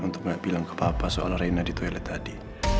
untuk gak bilang ke papa soal reina di toilet tadi